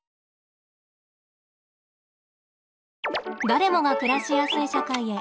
誰もが暮らしやすい社会へ。